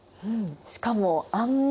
しかもあんな